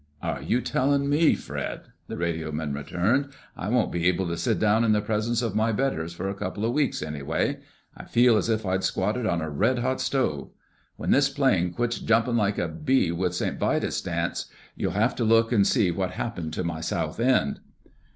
"Are you telling me, Fred?" the radioman returned. "I won't be able to sit down in the presence of my betters for a couple of weeks, anyway. I feel as if I'd squatted on a red hot stove. When this plane quits jumping like a bee with St. Vitus' dance, you'll have to look and see what happened to my south end."